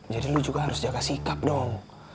jadi lo juga harus jaga sikap dong